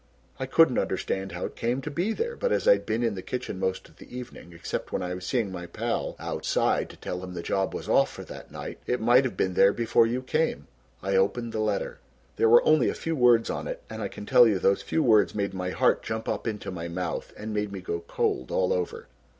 "I couldn't understand how it came to be there, but as I'd been in the kitchen most of the evening except when I was seeing my pal outside to tell him the job was off for that night, it might have been there before you came. I opened the letter. There were only a few words on it and I can tell you those few words made my heart jump up into my mouth, and made me go cold all over."